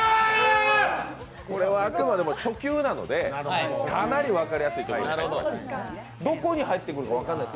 これはあくまでも初級なので、かなり分かりやすいと思います。